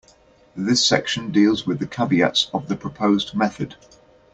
This section deals with the caveats of the proposed method.